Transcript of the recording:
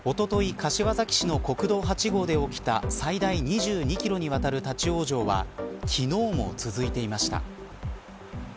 柏崎市の国道８号で起きた最大２２キロにわたる立ち往生は昨日も続いていました。